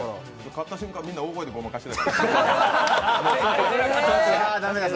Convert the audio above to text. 勝った瞬間、みんな大声でごまかしてた。